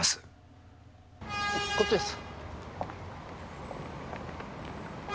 こっちです。